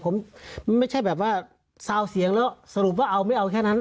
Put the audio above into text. ผมไม่ใช่แบบว่าซาวเสียงแล้วสรุปว่าเอาไม่เอาแค่นั้น